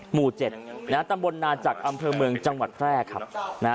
หมู่๗นะฮะตำบลนาจักรอำเภอเมืองจังหวัดแพร่ครับนะฮะ